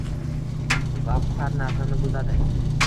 vaqt har narsani buzadi